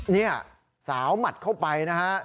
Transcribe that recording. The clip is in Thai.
นี่สาวหมัดเข้าไปนะฮะ